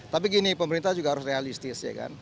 tapi gini pemerintah juga harus realistis